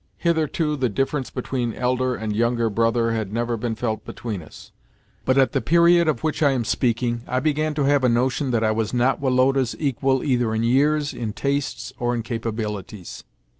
Hitherto, the difference between elder and younger brother had never been felt between us, but at the period of which I am speaking, I began to have a notion that I was not Woloda's equal either in years, in tastes, or in capabilities.